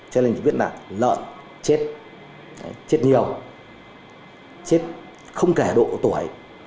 cho nên thì viết là lợn chết chết nhiều chết không kể độ tuổi